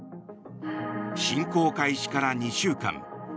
侵攻開始から２週間。